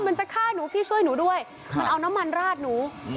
มันจะฆ่าหนูพี่ช่วยหนูด้วยมันเอาน้ำมันราดหนู